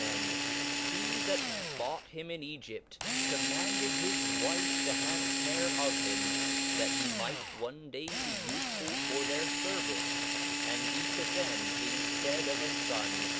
cihert '°"^^^'^^^^^^ bought him in £^jpt, commanded his wife to ^/ havecareofhim, that he might one day be ufefull for their fer vice, and be to them inftead of a fon.